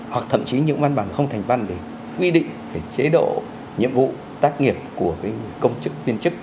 hoặc thậm chí những văn bản không thành văn để quy định về chế độ nhiệm vụ tác nghiệp của công chức viên chức